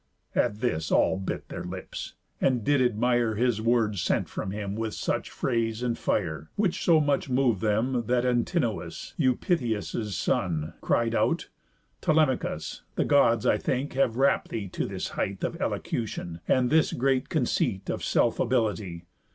At this all bit their lips, and did admire His words sent from him with such phrase and fire; Which so much mov'd them that Antinous, Eupitheus' son, cried out: "Telemachus! The Gods, I think, have rapt thee to this height Of elocution, and this great conceit Of self ability.